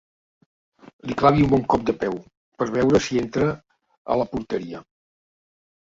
Li clavi un bon cop de peu, per veure si entra a la porteria.